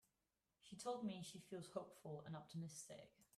She told me she feels hopeful and optimistic.